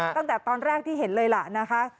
ตั้งแต่ตอนแรกที่เห็นเลยล่ะนะคะ